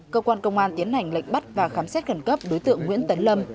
cơ quan công an tiến hành lệnh bắt và khám xét khẩn cấp đối tượng nguyễn tấn lâm